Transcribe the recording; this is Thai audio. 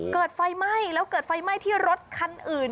เกิดไฟไหม้แล้วเกิดไฟไหม้ที่รถคันอื่น